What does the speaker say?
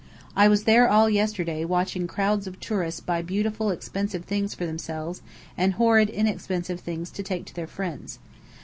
I was there all yesterday, watching crowds of tourists buy beautiful expensive things for themselves, and horrid inexpensive things to take to their friends.